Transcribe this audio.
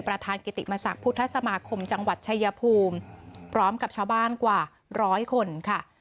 กิติมศักดิ์พุทธสมาคมจังหวัดชายภูมิพร้อมกับชาวบ้านกว่าร้อยคนค่ะ